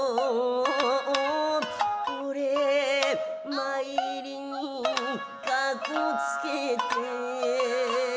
「お礼参りにかこつけて」